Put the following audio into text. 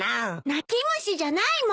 泣き虫じゃないもん！